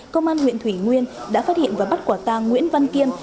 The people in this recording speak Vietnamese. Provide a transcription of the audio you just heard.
công an huyện thủy nguyên đã phát hiện và bắt quả tàng nguyễn văn kiên